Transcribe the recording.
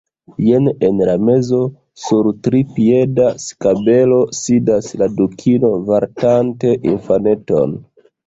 Jen en la mezo, sur tripieda skabelo sidas la Dukino vartante infaneton.